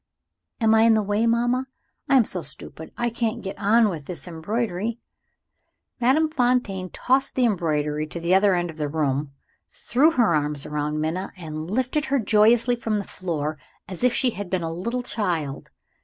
"Am I in the way, mamma? I am so stupid, I can't get on with this embroidery " Madame Fontaine tossed the embroidery to the other end of the room, threw her arms round Minna, and lifted her joyously from the floor as if she had been a little child.